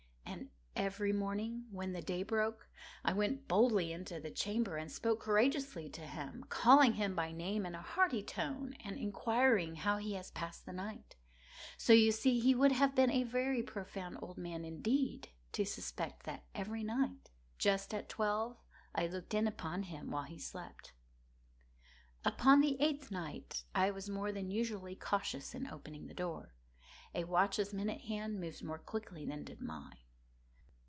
And every morning, when the day broke, I went boldly into the chamber, and spoke courageously to him, calling him by name in a hearty tone, and inquiring how he has passed the night. So you see he would have been a very profound old man, indeed, to suspect that every night, just at twelve, I looked in upon him while he slept. Upon the eighth night I was more than usually cautious in opening the door. A watch's minute hand moves more quickly than did mine.